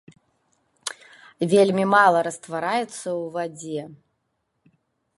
Вельмі мала раствараецца ў вадзе.